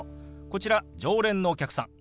こちら常連のお客さん。